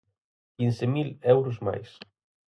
Quince mil euros máis.